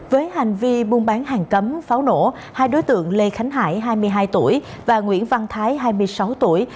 với hành vi buôn bán hàng cấm pháo nổ hai đối tượng lê khánh hải hai mươi hai tuổi và nguyễn văn thái hai mươi sáu tuổi